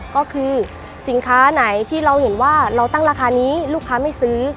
ก็คือสินค้าไหนที่เราเห็นว่าเราตั้งราคานี้ลูกค้าไม่ซื้อ